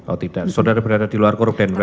oh tidak saudara berada di luar korden berarti